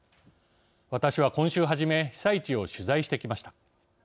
私は、今週はじめ被災地を取材してきました。